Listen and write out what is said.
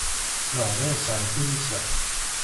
Lehduṛ sɛan tilisa.